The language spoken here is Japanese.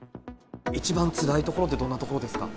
一番つらいところって、どんなところですか？